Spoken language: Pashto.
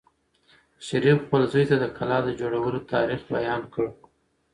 شریف خپل زوی ته د کلا د جوړولو تاریخ بیان کړ.